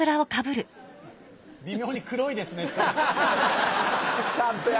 微妙に黒いですね。